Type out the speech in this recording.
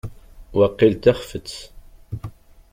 Waqil d taxfet.